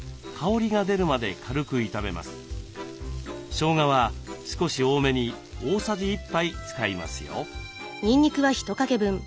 しょうがは少し多めに大さじ１杯使いますよ。